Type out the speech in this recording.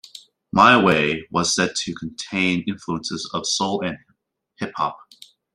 "My Way" was said to contain influences of soul and hip hop.